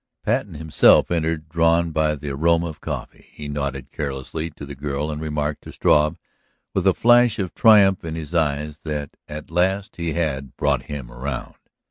Patten himself entered, drawn by the aroma of coffee. He nodded carelessly to the girl and remarked to Struve, with a flash of triumph in his eyes, that at last he had "brought him around."